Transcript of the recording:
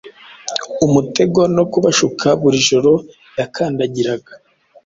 Umutego no kubashuka Buri joro yakandagiraga